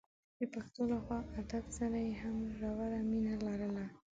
د پښتو له پخواني ادب سره یې هم ژوره مینه لرله.